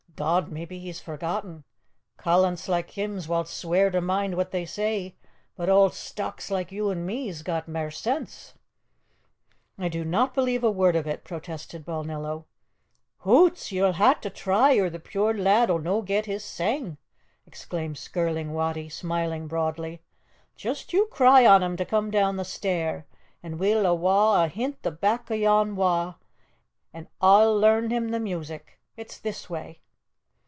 Dod! maybe he's forgotten. Callants like him's whiles sweer to mind what they say, but auld stocks like you an' me's got mair sense." "I do not believe a word of it," protested Balnillo. "Hoots! ye'll hae to try, or the puir lad 'll no get his sang," exclaimed Skirling Wattie, smiling broadly. "Just you cry on him to come down the stair, an' we'll awa' ahint the back o' yon wa', an' a'll lairn him the music! It's this way."